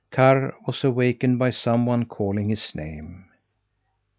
Karr was awakened by some one calling his name.